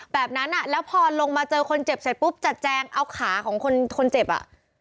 แบบนั้นอ่ะแล้วพอลงมาเจอคนเจ็บเสร็จปุ๊บจัดแจงเอาขาของคนคนเจ็บอ่ะ